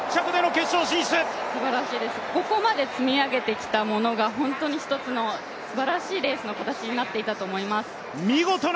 すばらしいです、ここまで積み上げてきたものが、本当にすばらしい１つのレースの形になっていたと思います。